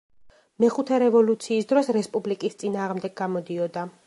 მეხუთე რევოლუციის დროს რესპუბლიკის წინააღმდეგ გამოდიოდა.